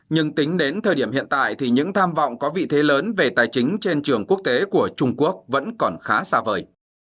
nhưng tính đến thời điểm hiện tại thì những tham vọng có vị thế lớn về tài chính trên trường quốc tế của trung quốc vẫn còn khá xa vời